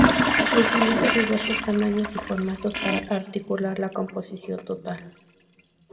Utiliza diversos tamaños y formatos para articular la composición total.